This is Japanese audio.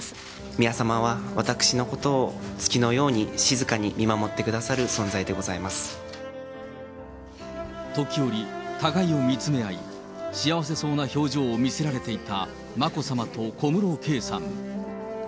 宮さまは私のことを月のように静かに見守ってくださる存在で時折、互いを見つめ合い、幸せそうな表情を見せられていた眞子さまと小室圭さん。